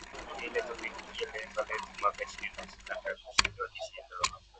ili tufikie lengo letu mwaka ishirini na ishirini na tatu ushindi wa kishindo